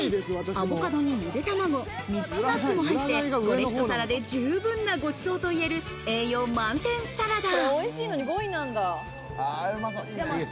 アボカドに、ゆで卵、ミックスナッツも入って、これひと皿で十分なごちそうといえる栄養満点サラダ。